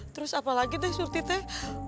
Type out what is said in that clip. terus apa lagi teh surti teh